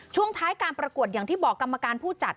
ช่วงท้ายการประกวดอย่างที่บอกกรรมการผู้จัด